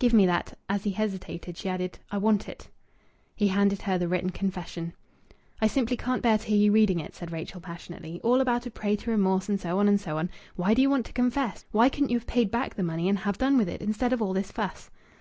"Give me that." As he hesitated, she added, "I want it." He handed her the written confession. "I simply can't bear to hear you reading it," said Rachel passionately. "All about a prey to remorse and so on and so on! Why do you want to confess? Why couldn't you have paid back the money and have done with it, instead of all this fuss?"